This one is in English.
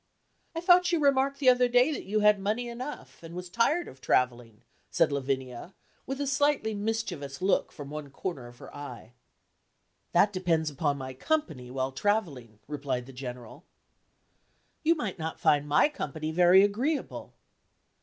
"I thought you remarked the other day that you had money enough, and was tired of travelling," said Lavinia, with a slightly mischievous look from one corner of her eye. "That depends upon my company while travelling," replied the General. "You might not find my company very agreeable."